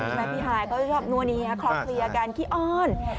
และพี่หายก็ชอบนวดนี้ขอเคลียร์การขี้อ้อน